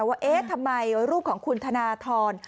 ว่าทำไมรูปของคุณธนาธรรม